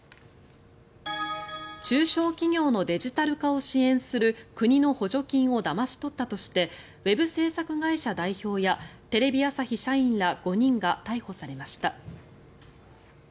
中小企業のデジタル化を支援する国の補助金をだまし取ったとしてウェブ制作会社代表やテレビ朝日社員ら５人が逮捕されました。